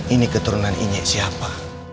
ini keturunan ini siapa